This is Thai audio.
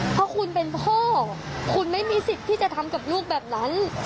เพราะคุณเป็นพ่อคุณไม่มีสิทธิ์ที่จะทำกับลูกแบบนั้น